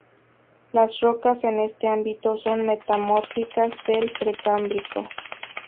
Las rocas en este ámbito son metamórficas del Precámbrico.